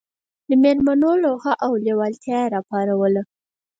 د مېلمنو لوهه او لېوالتیا یې راپاروله.